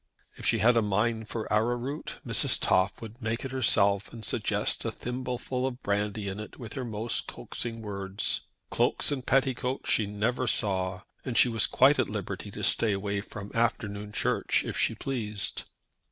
If she had a mind for arrowroot, Mrs. Toff would make it herself and suggest a thimbleful of brandy in it with her most coaxing words. Cloaks and petticoats she never saw, and she was quite at liberty to stay away from afternoon church if she pleased.